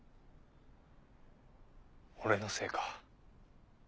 俺のせいか。